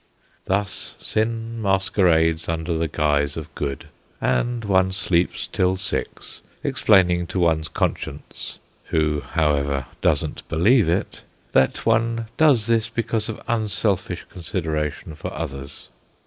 Thus Sin masquerades under the guise of Good, and one sleeps till six, explaining to one's conscience, who, however, doesn't believe it, that one does this because of unselfish consideration for others.